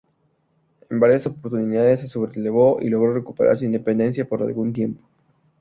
En varias oportunidades se sublevó y logró recuperar su independencia por algún tiempo.